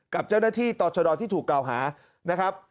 กับเจ้าหน้าที่ตอชดที่ถูกกล่าวหา